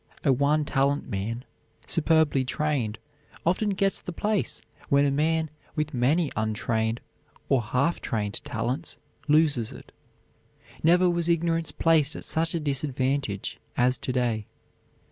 A one talent man, superbly trained, often gets the place when a man with many untrained or half trained talents loses it. Never was ignorance placed at such a disadvantage as to day.